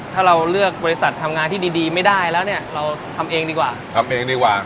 ถ้าเราเลือกบริษัททำงานที่ดีดีไม่ได้แล้วเนี่ยเราทำเองดีกว่าทำเองดีกว่า